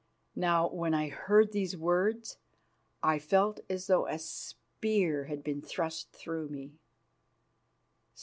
Now, when I heard these words I felt as though a spear had been thrust through me.